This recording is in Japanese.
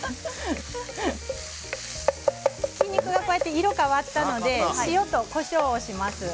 ひき肉が色が変わったので塩とこしょうをします。